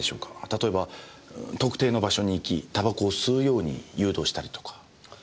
例えば特定の場所に行き煙草を吸うように誘導したりとか。